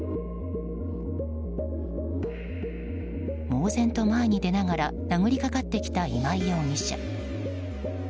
猛然と前に出ながら殴りかかってきた今井容疑者。